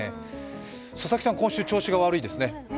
佐々木さん、今週調子が悪いですね。